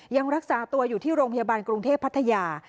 ยังรักษาตัวอยู่ที่โรงพยาบาลกรุงเทพพัทยา